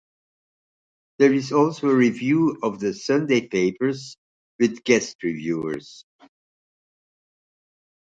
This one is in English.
There is also a review of the Sunday papers with guest reviewers.